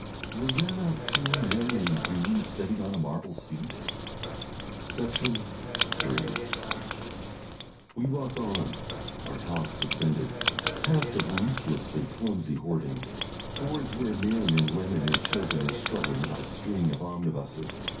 (Were there not two men in green sitting on a marble seat?) Section 3 We walk on, our talk suspended, past a ruthlessly clumsy hoarding, towards where men and women and children are struggling about a string of omnibuses.